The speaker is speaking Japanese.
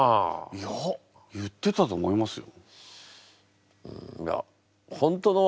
いや言ってたと思いますよ。